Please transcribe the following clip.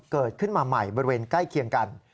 เกิดขึ้นมาใหม่บริเวณใกล้เคียงกัน